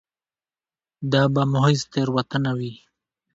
دا به محض تېروتنه وي.